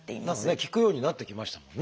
聞くようになってきましたもんね